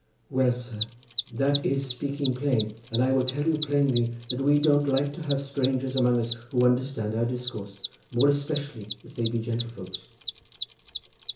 "Well, sir, that is speaking plain, and I will tell you plainly that we don't like to have strangers among us who understand our discourse, more especially if they be gentlefolks."